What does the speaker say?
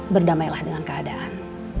berdamailah dengan keadaan